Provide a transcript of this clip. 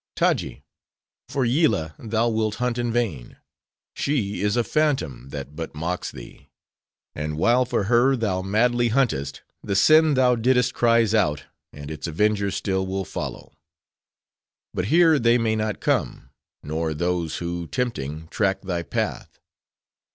Taji! for Yillah thou wilt hunt in vain; she is a phantom that but mocks thee; and while for her thou madly huntest, the sin thou didst cries out, and its avengers still will follow. But here they may not come: nor those, who, tempting, track thy path.